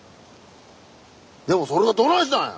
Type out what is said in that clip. でもそれがどないしたんや。